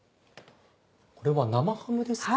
これは生ハムですか？